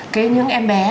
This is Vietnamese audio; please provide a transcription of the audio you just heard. cái những em bé